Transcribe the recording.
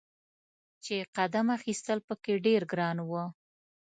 چې قدم اخیستل په کې ډیر ګران و.